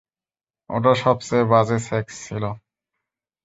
ওটা সবচেয়ে বাজে সেক্স ছিলো।